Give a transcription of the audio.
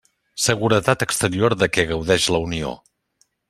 Seguretat exterior de què gaudeix la Unió.